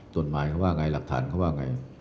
กฎหมายเขาว่าไงหลักฐานเขาว่าไง